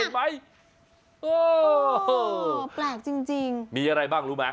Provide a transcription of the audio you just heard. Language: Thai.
แปลกจริงมีอะไรบ้างหรู้ไหมค่ะ